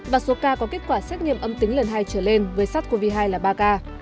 và số ca có kết quả xét nghiệm âm tính lần hai trở lên với sars cov hai là ba ca